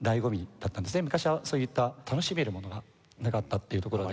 昔はそういった楽しめるものがなかったっていうところが。